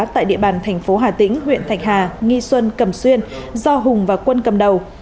tại địa bàn tp hòa tĩnh huyện thạch hà nghi xuân cầm xuyên do hùng và quân cầm đầu